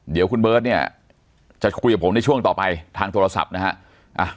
เดี๋ยวคุณเบิร์ตเนี่ยจะคุยกับผมในช่วงต่อไปทางโทรศัพท์นะฮะ